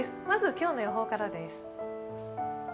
まず今日の予報からです。